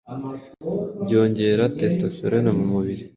byongera testosterone mu mubiri